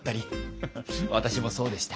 フフッ私もそうでした。